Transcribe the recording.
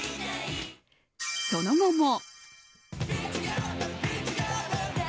その後も。